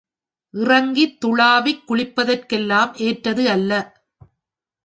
இறங்கித் துளாவிக் குளிப்பதற்கெல்லாம் ஏற்றது அல்ல.